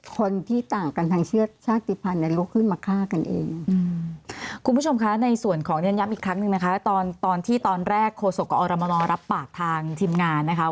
คนที่ต่างกันทางเชื่อชาติภัณฑ์ลกขึ้นมาฆ่ากันเอง